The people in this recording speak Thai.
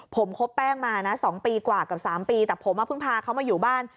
ผมคบแป้งมานะ๒ปีกว่ากับ๓ปีแต่ผมเพิ่งพาเขามาอยู่บ้าน